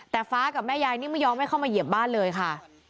แต่ฟ้ากับแม่ยายนี่ไม่ยอมให้เข้ามาเหยียบบ้านเลยค่ะ